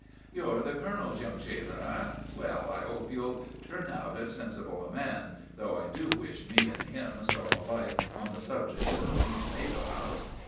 "You're the Colonel's young shaver—eh? Well, I hope you'll turn out as sensible a man—though I do wish me and him saw alike on the subject of a new tomato house.